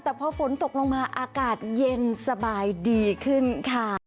แต่พอฝนตกลงมาอากาศเย็นสบายดีขึ้นค่ะ